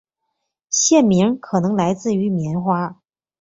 县名可能来自棉花。